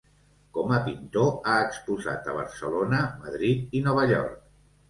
Com a pintor, ha exposat a Barcelona, Madrid i Nova York.